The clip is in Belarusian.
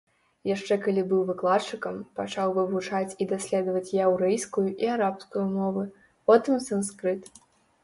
Яшчэ калі быў выкладчыкам, пачаў вывучаць і даследаваць яўрэйскую і арабскую мовы, потым санскрыт.